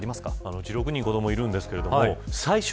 うち、６人子どもいるんですけども。